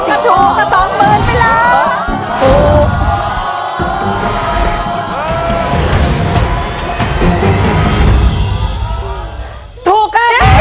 ก็ถูกกว่าสองหมื่นไปแล้ว